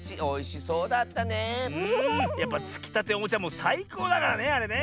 やっぱつきたておもちはもうさいこうだからねあれね。